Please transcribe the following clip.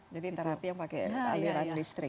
jadi terapi yang pakai aliran listrik